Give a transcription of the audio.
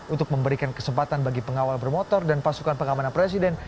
untuk memberikan kesempatan bagi pengawal bermotor dan pasukan pengamanan presiden